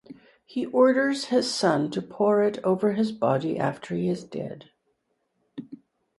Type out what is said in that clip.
He orders his son to pour it over his body after he is dead.